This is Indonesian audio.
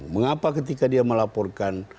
mengapa ketika dia melaporkan